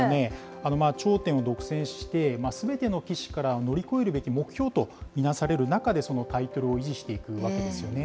頂点を独占して、すべての棋士から乗り越えるべき目標と見なされる中で、そのタイトルを維持していくわけですよね。